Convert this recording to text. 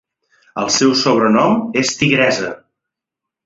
El seu sobrenom és "Tigressa".